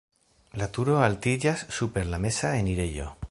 La turo altiĝas super la meza enirejo.